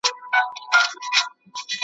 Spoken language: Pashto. نور مي پر تنه باندي یادګار نومونه مه لیکه `